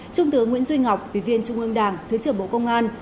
trung tướng nguyễn duy ngọc ủy viên trung ương đảng thứ trưởng bộ công an